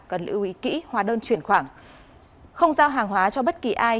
cần lưu ý kỹ hóa đơn chuyển khoản không giao hàng hóa cho bất kỳ ai